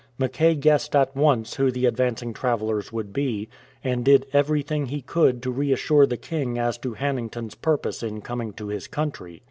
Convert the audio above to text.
Mackay guessed at once who the advancing travellers would be, and did everything he could to reassure the king as to Hannington's purpose in conu'ng to his country.